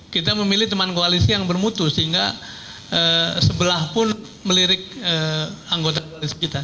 kita memilih teman koalisi yang bermutu sehingga sebelah pun melirik anggota koalisi kita